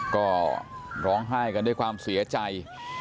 ก็ร้องไห้กันด้วยความเสียใจ